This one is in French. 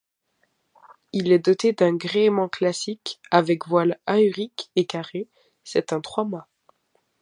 Il est doté d'un gréement classique, avec voiles aurique et carrées, c'est un trois-mâts.